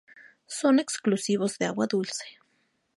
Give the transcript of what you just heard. Son exclusivos de agua dulce.